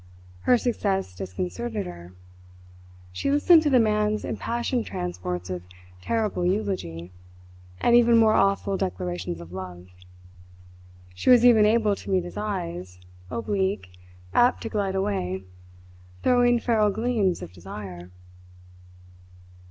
Her success disconcerted her. She listened to the man's impassioned transports of terrible eulogy and even more awful declarations of love. She was even able to meet his eyes, oblique, apt to glide away, throwing feral gleams of desire.